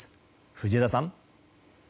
藤枝さん。